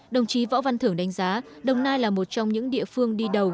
đồng chí võ văn thưởng đánh giá đồng nai là một trong những địa phương đi đầu